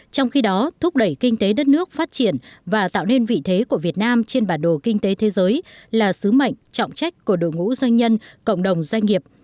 trong khi đó thúc đẩy kinh tế đất nước phát triển và tạo nên vị thế của việt nam trên bản đồ kinh tế thế giới là sứ mệnh trọng trách của đội ngũ doanh nhân cộng đồng doanh nghiệp